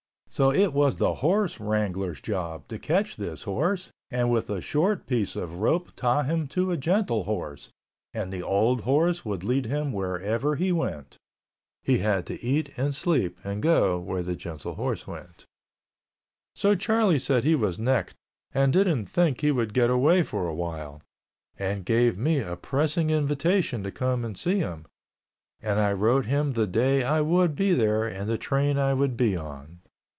So it was the horse wrangler's job to catch this horse and with a short piece of rope tie him to a gentle horse, and the old horse would lead him wherever he went. He had to eat and sleep and go where the gentle horse went. So Charlie said he was necked and didn't think he would get away for awhile, and gave me a pressing invitation to come and see him, and I wrote him the day I would be there and the train I would be on.